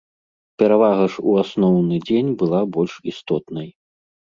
Перавага ж у асноўны дзень была больш істотнай.